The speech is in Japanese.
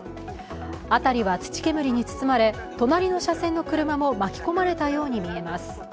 辺りは土煙に包まれ、隣の車線の車も巻き込まれたように見えます。